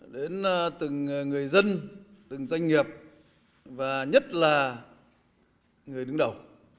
đến từng người dân từng doanh nghiệp và nhất là người đứng đầu